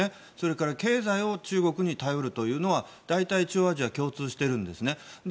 それから経済を中国に頼るというのは大体、中央アジアは共通しているんですね。